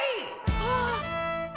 あっ！